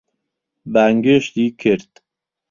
بانگێشتی کرد.